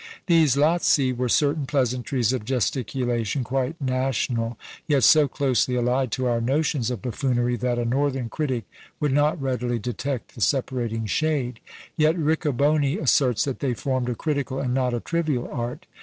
These Lazzi were certain pleasantries of gesticulation, quite national, yet so closely allied to our notions of buffoonery, that a northern critic would not readily detect the separating shade; yet Riccoboni asserts that they formed a critical, and not a trivial art.